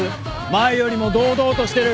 前よりも堂々としてる。